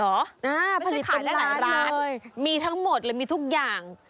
ผลิตได้หลายไม่ใช่ผลิตได้หลายไม่ใช่ผลิตได้หลายมีทั้งหมดเลยมีทุกอย่าง